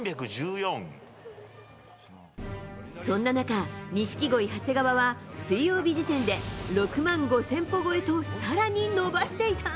そんな中、錦鯉・長谷川は、水曜日時点で６万５０００歩超えとさらに伸ばしていた。